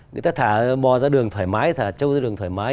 người ta thả bò ra đường thoải mái thả châu ra đường thoải mái